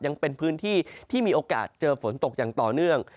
ยังเป็นพื้นที่ที่มีโอกาสเจอฝนตกอย่างต่อเนื่อง